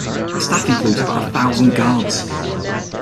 The staff includes about a thousand guards.